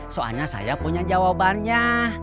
soalnya saya punya jawabannya